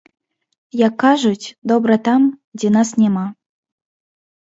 Як кажуць, добра там, дзе нас няма.